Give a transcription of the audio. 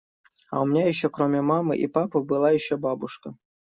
А у меня ещё, кроме мамы и папы, была ещё бабушка.